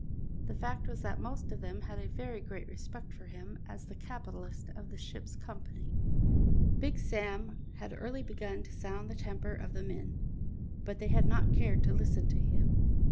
The fact was that the most of them had a very great respect for him as the capitalist of the ship's company. Big Sam had early begun to sound the temper of the men, but they had not cared to listen to him.